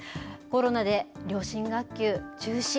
コロナで両親学級中止。